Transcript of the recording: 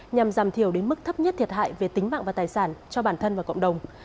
nhằm giảm thiểu đến mức thấp nhất thiệt hại về tính mạng và tài sản cho bản thân và cộng đồng